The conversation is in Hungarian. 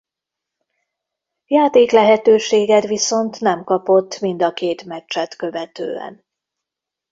Játéklehetőséget viszont nem kapott mind a két meccset követően.